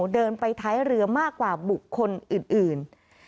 เดินไปท้ายเรือมากกว่าบุคคลอื่น